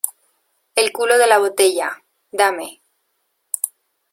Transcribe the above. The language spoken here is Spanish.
el culo de la botella. dame .